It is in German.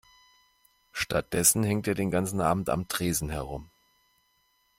Stattdessen hängt er den ganzen Abend am Tresen herum.